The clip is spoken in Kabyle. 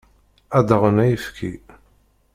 Ad d-aɣen ayefki.